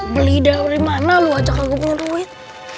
beli dari mana lu ajaknya gue punya duit